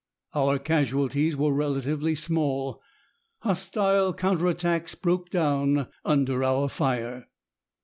Our casualties were relatively small. Hostile counter attacks broke down under our fire."